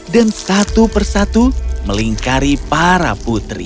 dan satu persatu melingkari para putri